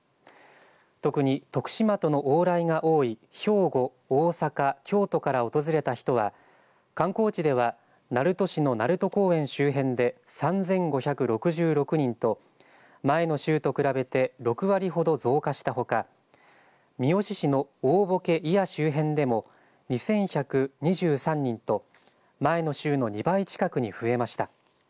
特に徳島との往来が多い兵庫、大阪、京都から訪れた人は観光地では鳴門市の鳴門公園周辺で３５６６人と前の週と比べて６割ほど増加したほか三好市の大歩危・祖谷周辺でも２１２３人と前の週の２倍近くに増えました。